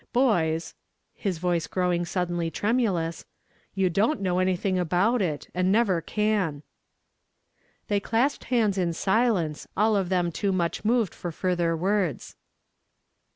JJoys,"— his voice growing suddenly trenudous, "you don't know anything about it, and never can. They clasped hands in silence, all of them too niucli moved for further words.